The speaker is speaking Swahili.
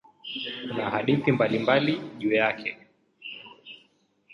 Kuna hadithi mbalimbali juu yake.